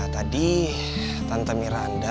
tadi tante miranda